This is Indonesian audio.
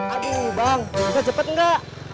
aduh bang bisa cepet gak